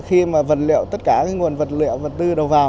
cụ thể là khi mà vật liệu tất cả nguồn vật liệu vật tư đầu vào